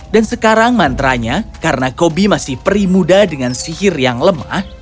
dan sekarang mantra nya karena kobi masih peri muda dengan sihirnya